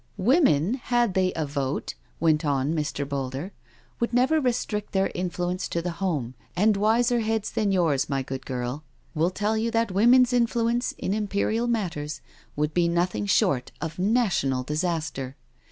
" Women, had they a vote," went on Mr. Boulder, " would never restrict their influence to the home, and wiser heads than yours, my good girl, will tell you that 24a NO SURRENDER woman's influence in Imperial matters would be noth ing short of national disaster.